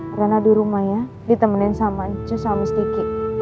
karena di rumah ya ditemenin sama cua sama istriki